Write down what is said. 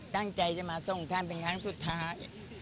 ตั้งใจจะมาส่งท่านเป็นครั้งสุดท้าย